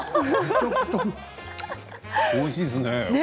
おいしいですね。